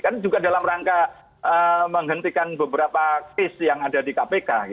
kan juga dalam rangka menghentikan beberapa case yang ada di kpk